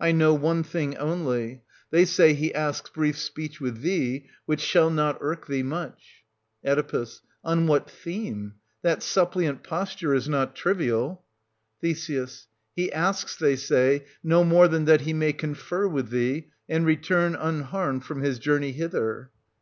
I know one thing only; they say, he asks ii62— ii86] OEDIPUS AT COLON US. 103 brief speech with thee, which shall not irk thee much. Oe. On what theme? That suppliant posture is not trivial. Th. He asks, they say, no more than that he may confer with thee, and return unharmed from his journey hither.